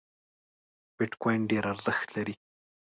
بیټ کواین ډېر ارزښت لري